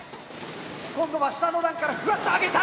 今度は下の段からふわっと上げた！